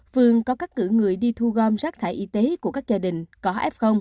phượng có các cử người đi thu gom rác thải y tế của các gia đình có f